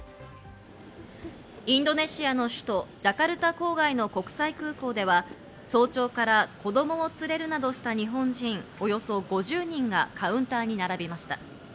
インドネシアの首都、ジャカルタ郊外の国際空港では、早朝から子供を連れるなどした日本人およそ５０人がカウンターに並びました。